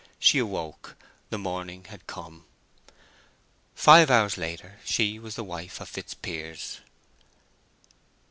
She awoke: the morning had come. Five hours later she was the wife of Fitzpiers.